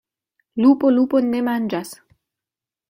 Lupo lupon ne manĝas.